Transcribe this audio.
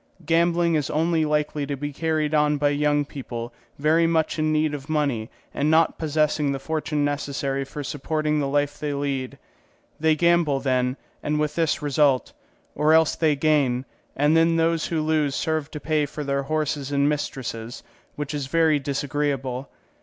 Gambling is only likely to be carried on by young people very much in need of money and not possessing the fortune necessary for supporting the life they lead; they gamble, then, and with this result; or else they gain, and then those who lose serve to pay for their horses and mistresses, which is very disagreeable.